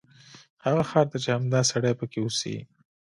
هغه ښار ته چې همدا سړی پکې اوسي.